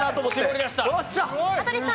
羽鳥さん。